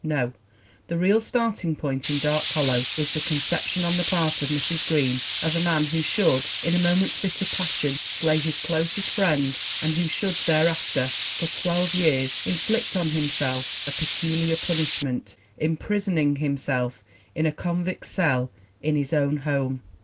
No! The real starting point in Dark Hollow was the conception on the part of Mrs. Green of a man who should, in a moment's fit of passion, slay his closest friend and who should thereafter, for twelve years, inflict on himself a peculiar punishment, im prisoning himself in a convict's cell in his own home!